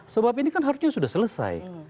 sebab ini kan harusnya sudah selesai